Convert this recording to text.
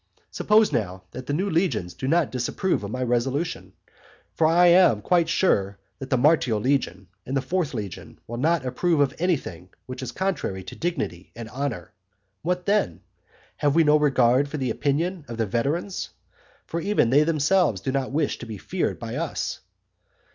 Suppose now that the new legions do not disapprove of my resolution. For I am quite sure that the Martial legion and the fourth legion will not approve of anything which is contrary to dignity and honour. What then? have we no regard for the opinion of the veterans? For even they themselves do not wish to be feared by us.